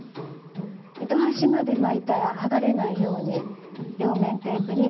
糸端まで巻いたらはがれないように両面テープにつけます。